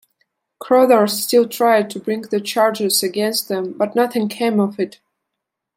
Crothers still tried to bring the charges against them, but nothing came of it.